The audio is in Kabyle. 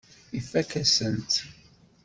Ifakk-asen-tt.